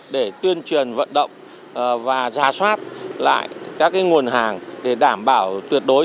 để tuyên truyền vận động và ra soát lại các cái nguồn hàng để đảm bảo tuyệt đối